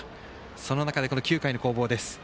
その中で９回の攻防です。